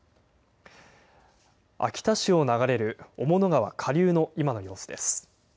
秋田市を流れる雄物川下流の今の様子です。